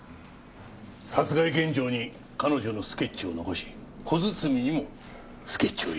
殺害現場に彼女のスケッチを残し小包にもスケッチを入れた。